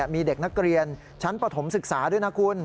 มีเด็กนักเรียนชั้นปฐมศึกษาด้วยนะคุณ